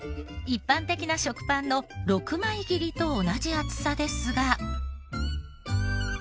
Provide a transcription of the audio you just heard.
一般的な食パンの６枚切りと同じ厚さですが。